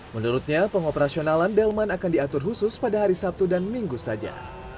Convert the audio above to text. menurutnya pengoperasionalan delman akan diatur khusus pada hari sabtu dan minggu saja